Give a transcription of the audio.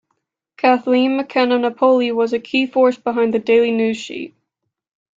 Kathleen McKenna-Napoli was 'a key force behind the daily news-sheet.